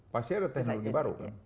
pasti ada teknologi baru